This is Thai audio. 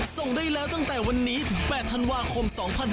ส่งได้แล้วตั้งแต่วันนี้ถึง๘ธันวาคม๒๕๖๒